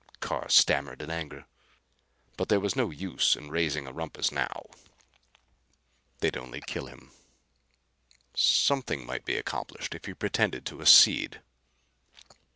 Carr stammered in anger. But there was no use in raising a rumpus now. They'd only kill him. Something might be accomplished if he pretended to accede.